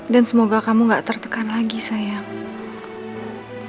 dan semoga kamu gak tertekan lagi sayang